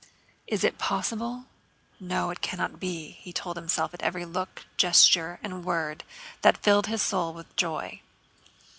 "Is it possible? No, it can't be," he told himself at every look, gesture, and word that filled his soul with joy.